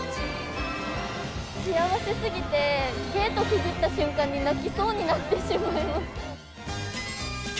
幸せすぎて、ゲートくぐった瞬間に泣きそうになってしまいました。